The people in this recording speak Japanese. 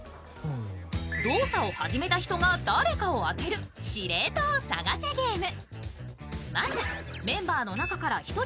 動作を始めた人が誰かを当てる「司令塔を探せゲーム」。